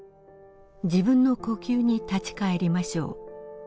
自分の呼吸に立ち帰りましょう。